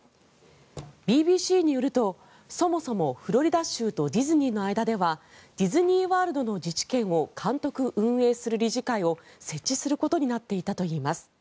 ＢＢＣによるとそもそもフロリダ州とディズニーの間ではディズニー・ワールドの自治権を監督・運営する理事会を設置することになっていたといいます。